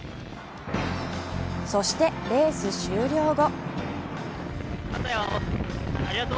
そして、レース終了後。